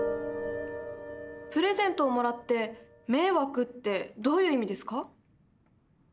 プレゼントをもらって「迷惑」ってどういう意味ですか？